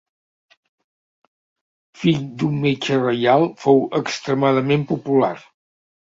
Fill d'un metge reial, fou extremadament popular.